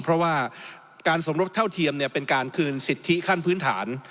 เพราะว่าการสมรบเท่าเทียมเป็นการคืนสิทธิขั้นพื้นฐาน